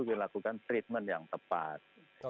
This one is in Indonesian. kita lakukan treatment yang tepat